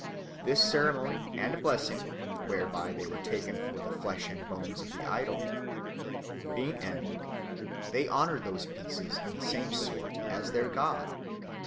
This ceremony and blessing (whereby they were taken for the flesh and bones of the idol) being ended, they honoured those pieces in the same sort as their god.